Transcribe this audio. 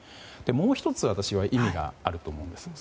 もう１つ、私は意味があると思うんですね。